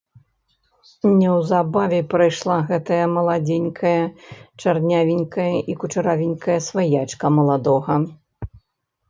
Неўзабаве прыйшла гэтая маладзенькая чарнявенькая і кучаравенькая сваячка маладога.